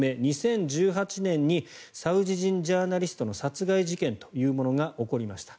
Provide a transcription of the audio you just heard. ２つ目、２０１８年にサウジ人ジャーナリストの殺害事件が起こりました。